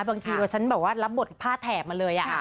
บางทีว่าฉันรับบทผ้าแถบมาเลย